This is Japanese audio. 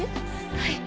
はい。